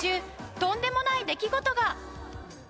とんでもない出来事が！